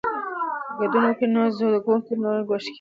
که ګډون وي نو زده کوونکی نه ګوښه کیږي.